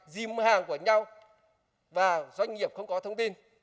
dìm hàng của nhau và doanh nghiệp không có thông tin